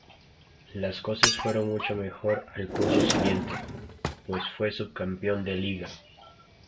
Las cosas fueron mucho mejor al curso siguiente, pues fue subcampeón de liga.